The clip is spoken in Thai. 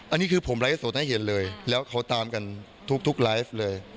อันนี้คือผมไลฟ์สดให้เห็นเลยแล้วเขาตามกันทุกไลฟ์เลย